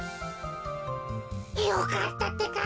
よかったってか。